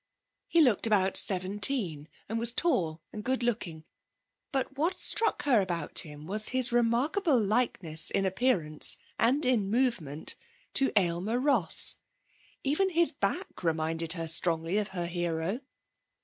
He looked about seventeen and was tall and good looking; but what struck her about him was his remarkable likeness in appearance and in movement to Aylmer Ross. Even his back reminded her strongly of her hero.